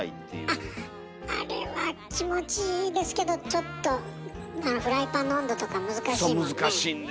あっあれは気持ちいいですけどちょっとフライパンの温度とか難しいもんね。